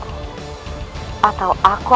kalu einmal dengan aku